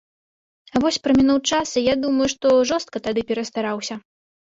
А вось прамінуў час, і я думаю, што жорстка тады перастараўся.